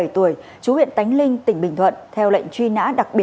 một mươi bảy tuổi chú huyện tánh linh tỉnh bình thuận